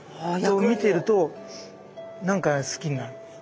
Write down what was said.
見てると何か好きになる。